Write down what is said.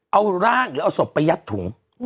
เอาร่างและสบไปยัดถุง